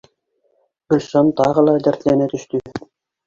Гөлшан тағы ла дәртләнә төштө